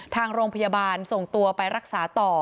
ทางโรงพยาบาลส่งตัวไปรักษาต่อ